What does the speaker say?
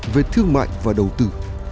về thương mại và đầu tư